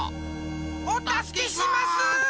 おたすけします！